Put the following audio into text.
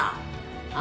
あ？